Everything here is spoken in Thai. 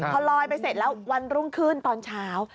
พอลอยไปเสร็จแล้ววันรุ่งขึ้นตอนเช้า